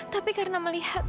tapi karena melihat